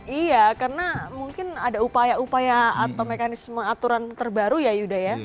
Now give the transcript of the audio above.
iya karena mungkin ada upaya upaya atau mekanisme aturan terbaru ya yuda ya